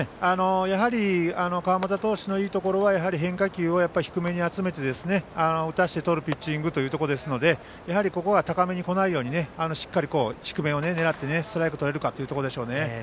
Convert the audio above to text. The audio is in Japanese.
川又投手のいいところは変化球を低めに集めて打たせてとるピッチングですのでやはりここは高めに来ないようにしっかり低めを狙ってストライクとれるかでしょうね。